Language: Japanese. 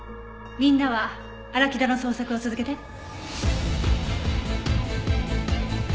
みんなは荒木田の捜索を続けて。